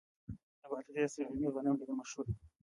د بادغیس للمي غنم ډیر مشهور دي.